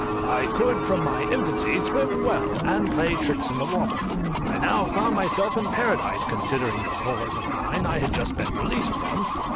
I could, from my infancy, swim well, and play tricks in the water. I now found myself in paradise, considering the horrors of mind I had just been released from.